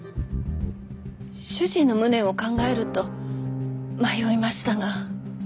主人の無念を考えると迷いましたが。